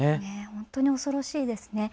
本当に恐ろしいですね。